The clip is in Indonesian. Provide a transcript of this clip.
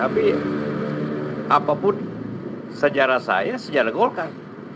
tapi apapun sejarah saya sejarah golkar